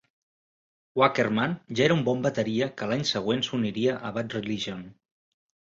Wackerman ja era un bon bateria que l'any següent s'uniria a Bad Religion.